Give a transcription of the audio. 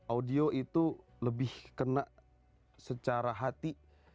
audio itu lebih kena secara hati